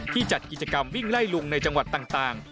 จัดกิจกรรมวิ่งไล่ลุงในจังหวัดต่าง